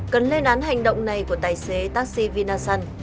cần lên án hành động này của tài xế taxi vinasun